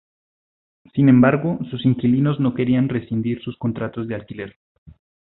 Sin embargo, sus inquilinos no querían rescindir sus contratos de alquiler.